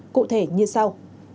cụ thể như sau